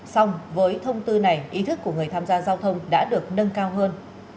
xong với thông tư này ý thức của người tham gia giao thông đã được nâng cao hơn